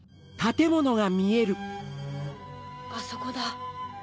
あそこだ。